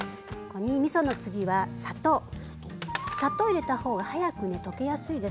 みその次は砂糖を入れたほうが早く溶けやすいです。